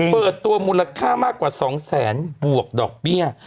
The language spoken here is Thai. เปิดตัวมูลค่ามากกว่า๒แสนบวกดอกเบี้ย